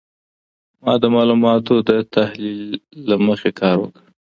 ما د معلوماتو د تحلیلې له مخي کار وکړ.